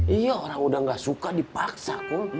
iya orang sudah nggak suka dipaksa